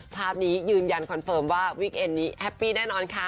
ภาพนี้ยืนยันคอนเฟิร์มว่าวิกเอ็นนี้แฮปปี้แน่นอนค่ะ